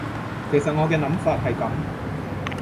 其實我嘅諗法係噉